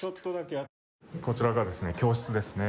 こちらが教室ですね。